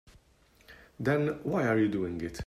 Then why are you doing it?